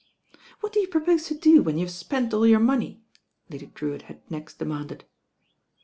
"What do you propose to do when you have spent all your money?" Lady Drewitt had next demanded.